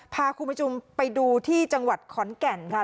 พาคุณผู้ชมไปดูที่จังหวัดขอนแก่นค่ะ